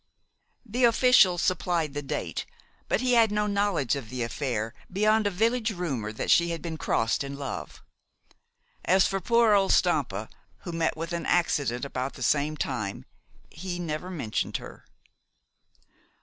The official supplied the date; but he had no knowledge of the affair beyond a village rumor that she had been crossed in love. As for poor old Stampa, who met with an accident about the same time, he never mentioned her.